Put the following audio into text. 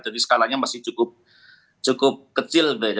jadi skalanya masih cukup kecil gitu ya